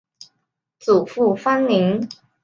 祖父方宁。